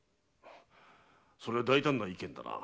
それは大胆な意見だな。